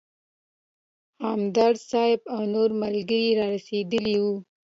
همدرد صیب او نور ملګري رارسېدلي وو.